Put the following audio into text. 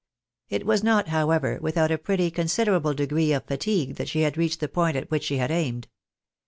It was not, however, without a pretty considerable degree of fatigue that she had reached the point at which she had aimed.